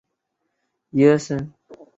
郭蛤蟆城的历史年代为宋代。